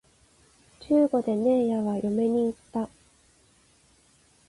十五でねえやは嫁に行った